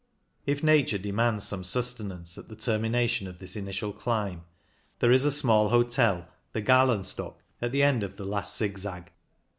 If nature demands some sustenance at the termination of this initial climb, there is a small hotel, the Galenstock, at the end of the last zigzag.